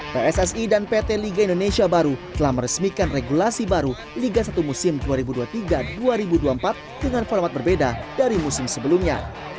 pssi dan pt liga indonesia baru telah meresmikan regulasi baru liga satu musim dua ribu dua puluh tiga dua ribu dua puluh empat dengan format berbeda dari musim sebelumnya